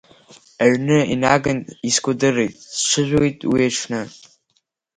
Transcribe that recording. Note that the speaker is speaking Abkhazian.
Аҩны инаган искәадырын, сҽыжәлеит уи аҽны.